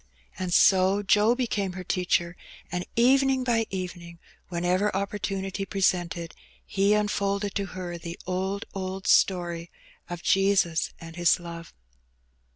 And so Joe became her teacher, and evening by evening, whenever opportunity presented, he unfolded to her the '^old, old story of Jesus and His love.